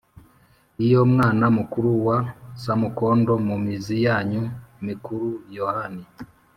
iyo mwama mukuru wa samukondo mu mizi yanyu mikuru". yohani